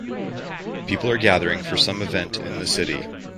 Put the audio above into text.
People are gathering for some event in the city.